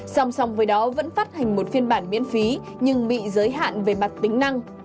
song song với đó vẫn phát hành một phiên bản miễn phí nhưng bị giới hạn về mặt tính năng